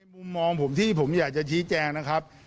มุมมองผมที่ผมอยากจะชี้แจงนะครับ